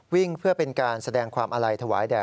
เพื่อเป็นการแสดงความอาลัยถวายแด่